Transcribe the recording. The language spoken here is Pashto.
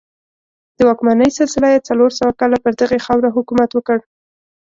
د واکمنۍ سلسله یې څلور سوه کاله پر دغې خاوره حکومت وکړ